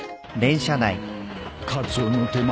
うんカツオの手前